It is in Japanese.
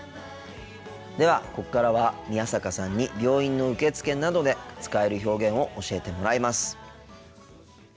ではここからは宮坂さんに病院の受付などで使える表現を教えてもらいます。